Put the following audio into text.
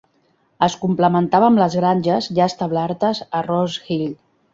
Es complementava amb les granges ja establertes a Rose Hill.